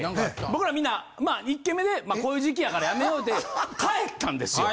僕らみんな１軒目でまあこういう時期やからやめよう言うて帰ったんですよ。